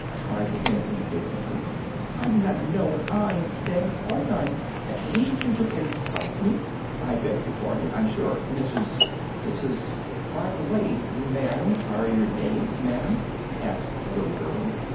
cried the hen, indignantly. "I do not know what I have said or done that leads you to insult me!" "I beg your pardon, I'm sure Mrs. Mrs. by the way, may I inquire your name, ma'am?" asked the little girl.